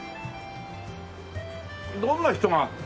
どんな人が？